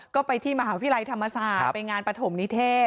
ก็ไปที่มหาวิทยาลัยธรรมศาสตร์ไปงานปฐมนิเทศ